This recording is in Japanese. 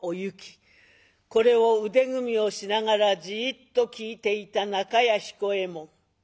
これを腕組みをしながらじっと聞いていた中屋彦右衛門。